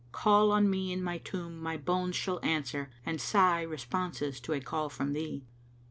Call on me in my tomb, my bones shall answer And sigh responses to a call from thee!